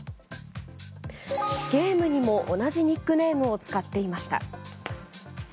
ゲームにも、同じニックネームを使っていました。